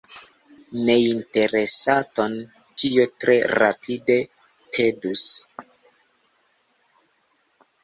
Neinteresaton tio tre rapide tedus.